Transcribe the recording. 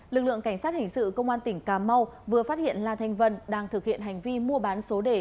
lực lượng cảnh sát hình sự công an tỉnh cà mau vừa phát hiện la thanh vân đang thực hiện hành vi mua bán số đề